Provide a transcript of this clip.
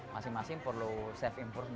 masing masing perlu save input